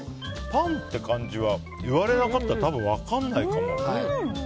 パンって感じは言われなかったら多分、分からないかも。